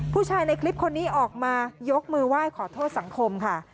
ในคลิปคนนี้ออกมายกมือไหว้ขอโทษสังคมค่ะ